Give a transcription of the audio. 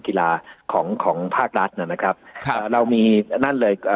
กีฬาของของภาครัฐนะครับครับอ่าเรามีนั่นเลยเอ่อ